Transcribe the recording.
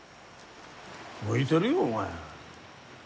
向いてるよお前